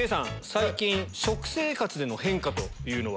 最近食生活での変化というのは？